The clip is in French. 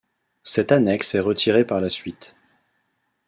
Cette annexe est retirée par la suite.